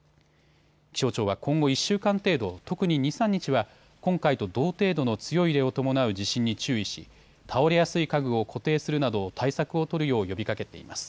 気象庁は今後１週間程度、特に２、３日は今回と同程度の強い揺れを伴う地震に注意し倒れやすい家具を固定するなど対策を取るよう呼びかけています。